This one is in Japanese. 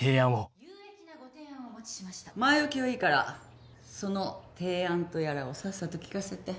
前置きはいいからその提案とやらをさっさと聞かせて。